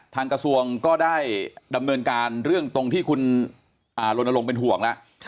ทางกระทรวงก็ได้ดำเนินการเรื่องตรงที่คุณลนลงเป็นห่วงแล้ว